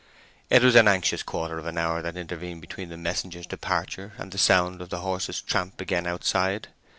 It was an anxious quarter of an hour that intervened between the messenger's departure and the sound of the horse's tramp again outside.